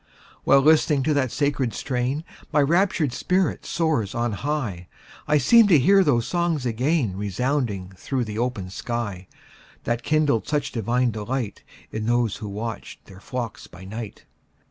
While listening to that sacred strain, My raptured spirit soars on high; I seem to hear those songs again Resounding through the open sky, That kindled such divine delight, In those who watched their flocks by night.